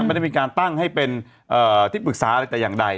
ไม่ได้มีการตั้งให้เป็นที่ปรึกษาอะไรแต่อย่างใด